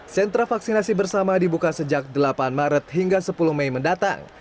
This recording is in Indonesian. sentra vaksinasi bersama dibuka sejak delapan maret hingga sepuluh mei mendatang